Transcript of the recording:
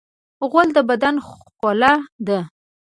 غول د بدن خوله ده.